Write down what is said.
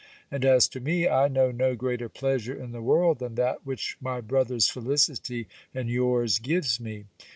And as to me, I know no greater pleasure in the world than that which my brother's felicity and yours gives me.